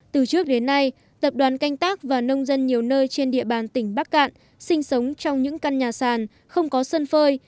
từ trước đến nay tập đoàn canh tác và nông dân nhiều nơi trên địa bàn tỉnh bắc cạn sinh sống trong những căn nhà sàn không có sân phơi